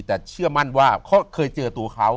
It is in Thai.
แต่เชื่อมั่นว่าเขาเคยเจอตัวเขา